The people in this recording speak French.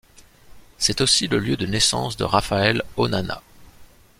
C'est aussi le lieu de naissance de Raphaël Onana.